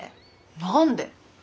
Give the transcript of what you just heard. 何で？